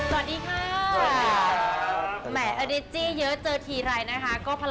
เหมือนปลอกให้ฝนจะลดลงมาจากฟ้า